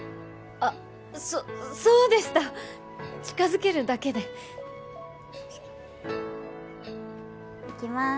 あっそそうでした近づけるだけで・いきます